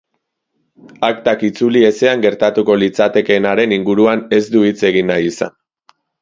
Aktak itzuli ezean gertatuko litzatekeenaren inguruan ez du hitz egin nahi izan.